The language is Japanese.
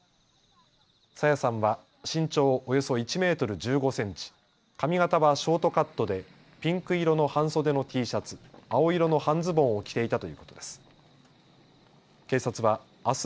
朝芽さんは身長およそ１メートル１５センチ、髪形はショートカットでピンク色の半袖のＴシャツ、青色の半ズボンを着ていたということです。